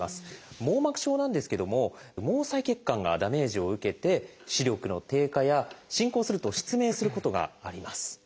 網膜症なんですけども毛細血管がダメージを受けて視力の低下や進行すると失明することがあります。